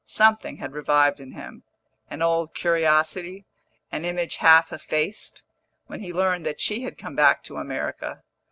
Something had revived in him an old curiosity, an image half effaced when he learned that she had come back to America.